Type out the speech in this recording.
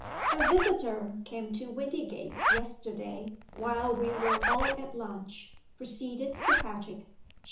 "A visitor came to Windygates yesterday, while we were all at lunch," proceeded Sir Patrick.